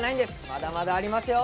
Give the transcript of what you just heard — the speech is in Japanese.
まだまだありますよ！